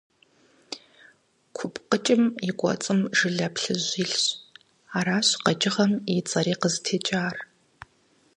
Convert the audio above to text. КупкъыкӀым и кӀуэцӀым жылэ плъыжь илъщ, аращ къэкӀыгъэм и цӀэри къызытекӀар.